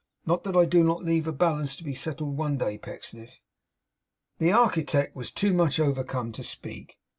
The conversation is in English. Not that I do not leave a balance to be settled one day, Pecksniff.' The architect was too much overcome to speak.